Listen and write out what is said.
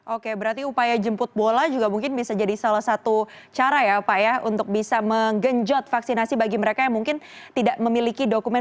oke berarti upaya jemput bola juga mungkin bisa jadi salah satu cara ya pak ya untuk bisa menggenjot vaksinasi bagi mereka yang mungkin tidak memiliki dokumen